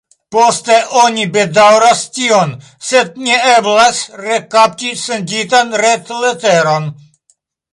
Poste oni bedaŭras tion, sed ne eblas rekapti senditan retleteron.